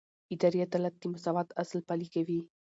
اداري عدالت د مساوات اصل پلي کوي.